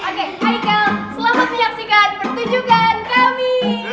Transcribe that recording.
oke hai kalian selamat menyaksikan pertunjukan kami